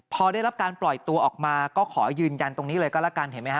พอได้รับการปล่อยตัวออกมาก็ขอยืนยันตรงนี้เลยก็แล้วกันเห็นไหมฮ